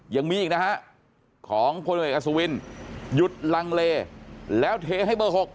ยังมีอีกนะฮะของพลเอกอสุวินหยุดลังเลแล้วเทให้เบอร์๖